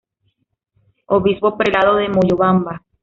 Obispo Prelado de Moyobamba.